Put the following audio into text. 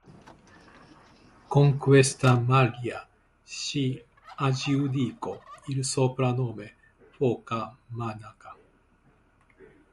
Con questa maglia si aggiudicò il soprannome "foca monaca".